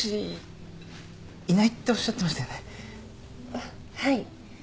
あっはい。